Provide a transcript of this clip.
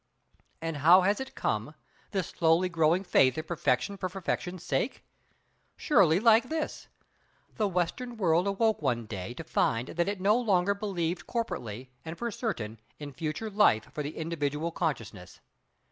And how has it come, this slowly growing faith in Perfection for Perfection's sake? Surely like this: The Western world awoke one day to find that it no longer believed corporately and for certain in future life for the individual consciousness.